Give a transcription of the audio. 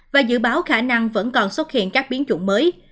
và dự báo khả năng vẫn còn xuất hiện các biến chủng mới